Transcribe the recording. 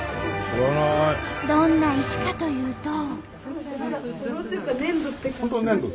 どんな石かというと。